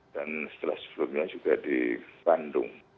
dan setelah sebelumnya juga di bandung